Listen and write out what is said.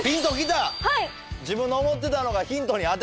自分の思ってたのがヒントに当てはまった？